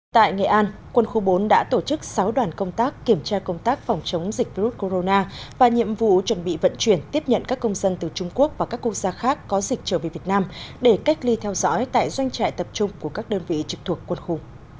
tại nghệ an quân khu bốn đã tổ chức sáu đoàn công tác kiểm tra công tác phòng chống dịch virus corona và nhiệm vụ chuẩn bị vận chuyển tiếp nhận các công dân từ trung quốc và các quốc gia khác có dịch trở về việt nam để cách ly theo dõi tại doanh trại tập trung của các đơn vị trực thuộc quân khu